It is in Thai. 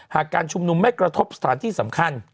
การชุมนุมไม่กระทบสถานที่สำคัญ